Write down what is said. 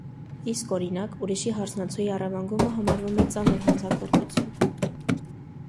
Իսկ, օրինակ, ուրիշի հարսնացուի առևանգումը համարվում է ծանր հանցագործություն։